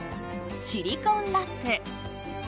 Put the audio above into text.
シリコンラップ。